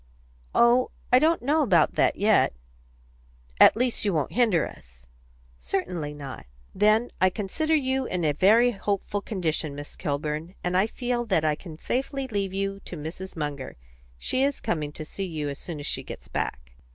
"Oh, I don't know about that yet." "At least you won't hinder us?" "Certainly not." "Then I consider you in a very hopeful condition, Miss Kilburn, and I feel that I can safely leave you to Mrs. Munger. She is coming to see you as soon as she gets back."